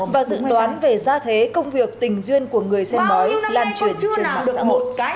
và dự đoán về gia thế công việc tình duyên của người xem bói lan truyền trên mạng xã hội